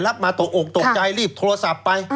มาตกอกตกใจรีบโทรศัพท์ไป